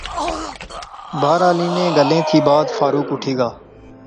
بہرحال انیں گلیں تھی بعد فاروق اُٹھی گا